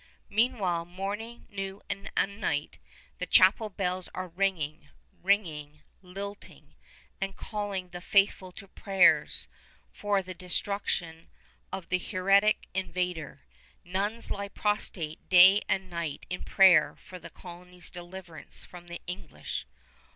Meanwhile, morning, noon, and night, the chapel bells are ringing ... ringing ... lilting ... and calling the faithful to prayers for the destruction of the heretic invader! Nuns lie prostrate day and night in prayer for the country's deliverance from the English.